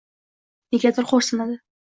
Negadir xo‘rsinadi.